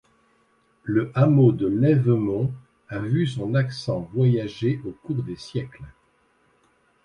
Le hameau de Lèvemont a vu son accent voyager au cours des siècles.